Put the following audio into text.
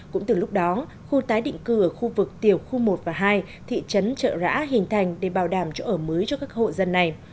cũng từ lúc đó khu tái định cư ở khu vực tiểu khu một và hai thị trấn trợ rã hình thành để bảo đảm chỗ ở mới cho các hộ dân này